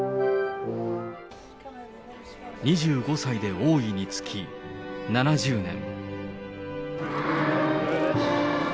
２５歳で王位に就き、７０年。